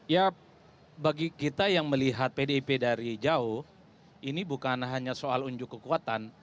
ya bagi kita yang melihat pdip dari jauh ini bukan hanya soal unjuk kekuatan